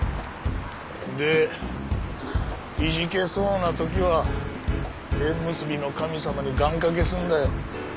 でいじけそうな時は縁結びの神様に願掛けすんだよ。